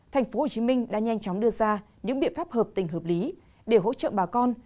tp hcm đã nhanh chóng đưa ra những biện pháp hợp tình hợp lý để hỗ trợ bà con